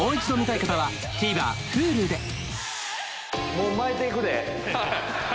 もう巻いていくで。